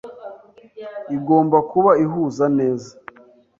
Igomba kuba ihuza neza.